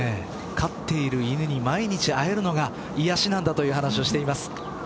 飼っている犬に毎日会えるのが癒やしなんだという話をしています。